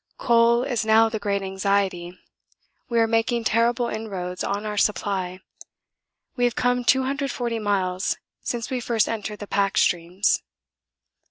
Coal is now the great anxiety we are making terrible inroads on our supply we have come 240 miles since we first entered the pack streams.